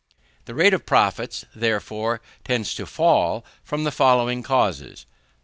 The rate of profits, therefore, tends to fall from the following causes: 1.